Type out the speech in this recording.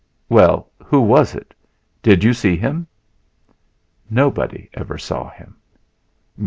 Well, who was it? Did you see him?" "Nobody ever saw him."